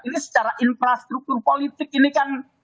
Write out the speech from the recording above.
ini secara infrastruktur politik ini kan